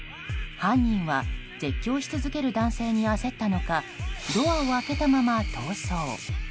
犯人は絶叫し続ける男性に焦ったのかドアを開けたまま逃走。